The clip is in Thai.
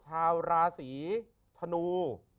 ชาวราศีธนู